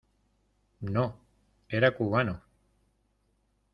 no, era cubano.